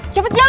cepet jalan pak